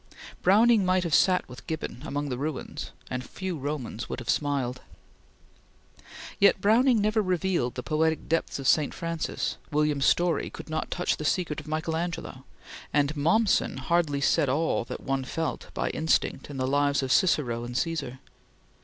Browning might have sat with Gibbon, among the ruins, and few Romans would have smiled. Yet Browning never revealed the poetic depths of Saint Francis; William Story could not touch the secret of Michael Angelo, and Mommsen hardly said all that one felt by instinct in the lives of Cicero and Caesar.